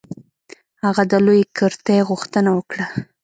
هغه د لویې کرتۍ غوښتنه وکړه.